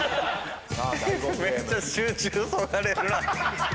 めっちゃ集中そがれるな。